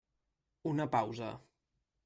Una pausa.